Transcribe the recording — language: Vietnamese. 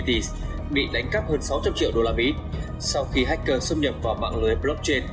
asia infine bị đánh cắp hơn sáu trăm linh triệu usd sau khi hacker xâm nhập vào mạng lưới blockchain